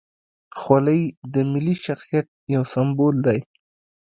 خولۍ د ملي شخصیت یو سمبول دی.